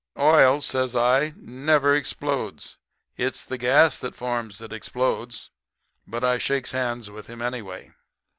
"'Oil,' says I, 'never explodes. It's the gas that forms that explodes.' But I shakes hands with him, anyway.